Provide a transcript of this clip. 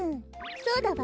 そうだわ。